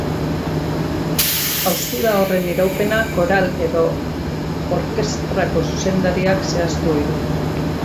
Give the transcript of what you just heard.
Haustura horren iraupena koral edo orkestrako zuzendariak zehaztu ohi du.